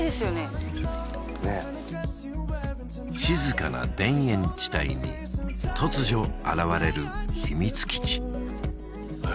静かな田園地帯に突如現れる秘密基地え